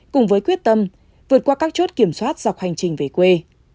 cùng với quyết tâm vượt qua các chốt kiểm soát dọc hành trình về quê